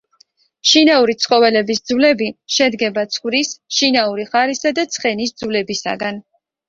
შინაური ცხოველების ძვლები შედგება ცხვრის, შინაური ხარისა და ცხენის ძვლებისაგან.